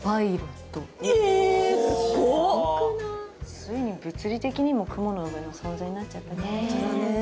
ついに物理的にも雲の上の存在になっちゃったね。